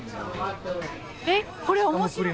えっこれ面白い。